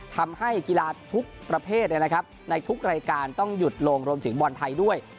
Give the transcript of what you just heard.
ทำให้กีฬาทุกประเภทในทุกรายการต้องหยุดลงรวมถึงบอลไทยด้วย